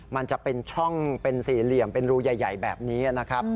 มันจะเป็นช่องเป็นสี่เหลี่ยมเป็นรูใหญ่แบบนี้นะครับ